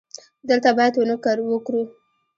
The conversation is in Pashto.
دلته باید ونه وکرو